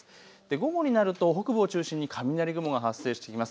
午後になると北部を中心に雷雲が発生してきます。